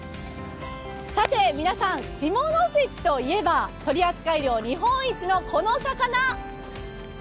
さて、皆さん、下関といえば、取扱量日本一のこの魚！